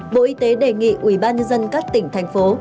bộ y tế đề nghị ubnd các tỉnh thành phố